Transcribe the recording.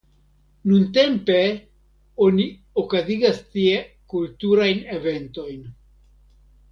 Nuntempe oni okazigas tie kulturajn eventojn.